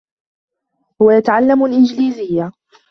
هو يتعلّم الإنجليزيّة.